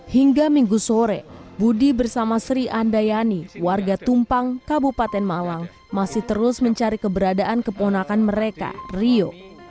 hingga minggu sore budi bersama sri andayani warga tumpang kabupaten malang masih terus mencari keberadaan keponakan mereka rio